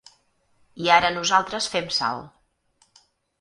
I ara nosaltres fem sal.